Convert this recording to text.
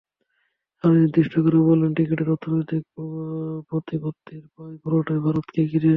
আরও নির্দিষ্ট করে বললে ক্রিকেটের অর্থনৈতিক প্রতিপত্তির প্রায় পুরোটাই ভারতকে ঘিরে।